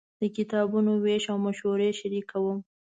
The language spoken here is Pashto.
د کتابونو وېش او مشورې شریکوم.